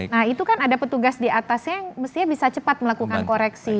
nah itu kan ada petugas di atasnya yang mestinya bisa cepat melakukan koreksi